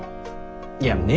いや「ね」